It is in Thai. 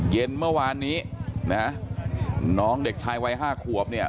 เย็นเมื่อวานนี้นะน้องเด็กชายวัย๕ขวบเนี่ย